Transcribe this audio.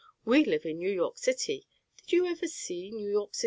We live in New York city. Did you ever see New York city?"